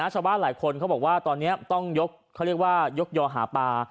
ชาวบ้านคนบอกว่าตอนนี้ต้องยกยกหาปลา